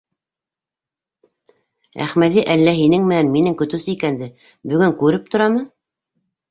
Әхмәҙи әллә һинең менән минең көтөүсе икәнде бөгөн күреп торамы?